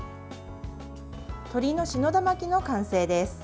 鶏の信田巻きの完成です。